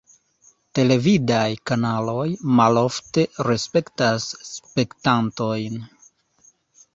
Televidaj kanaloj malofte respektas spektantojn.